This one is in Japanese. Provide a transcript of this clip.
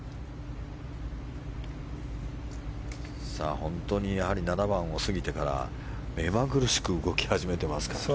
本当に７番を過ぎてから目まぐるしく動き始めてますからね。